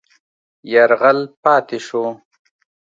یرغل پاتې شو.